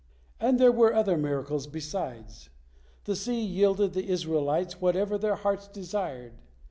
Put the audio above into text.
And there were other miracles, besides. The sea yielded the Israelites whatever their hearts desired.